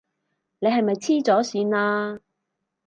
你係咪痴咗線啊？